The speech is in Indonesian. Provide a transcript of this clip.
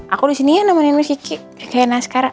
aku disini ya nemenin miss kiki cekain askara